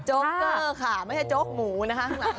โจ้กเกอร์ค่ะไม่ใช่โจ้กหมูนะคะ